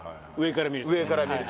上から見ると。